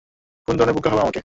কোন ধরণের বোকা ভাবো আমাকে?